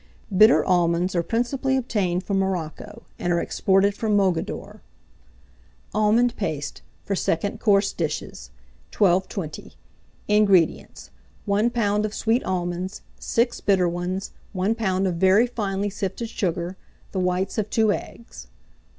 Bitter almonds are principally obtained from Morocco, and are exported from Mogador. ALMOND PASTE, for Second Course Dishes. 1220. INGREDIENTS. 1 lb. of sweet almonds, 6 bitter ones, 1 lb. of very finely sifted sugar, the whites of 2 eggs.